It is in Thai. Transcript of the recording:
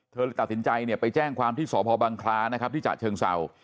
เธอตัดสินใจไปแจ้งความที่สพบังคลาที่ฉะเชิงเซา